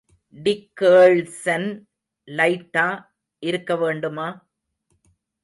டிக்கேழ்சன் லைட்டா இருக்கவேண்டுமா?